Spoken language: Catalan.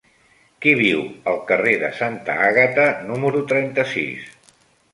Qui viu al carrer de Santa Àgata número trenta-sis?